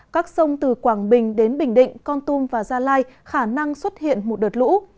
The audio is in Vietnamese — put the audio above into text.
các sông từ quảng bình đến bình định con tum và gia lai khả năng xuất hiện một đợt lũ